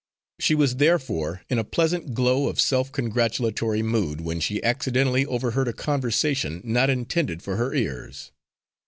She was therefore in a pleasant glow of self congratulatory mood when she accidentally overheard a conversation not intended for her ears.